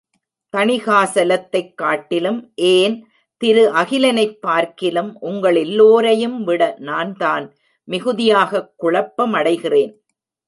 தணிகாசலத்தைக் காட்டிலும், ஏன், திரு அகிலனைப் பார்க்கிலும், உங்கள் எல்லோரையும் விட நான்தான் மிகுதியாகக் குழப்பமடைகிறேன்.